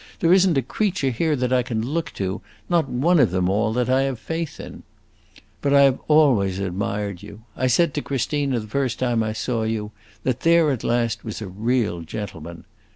There is n't a creature here that I can look to not one of them all that I have faith in. But I always admired you. I said to Christina the first time I saw you that there at last was a real gentleman.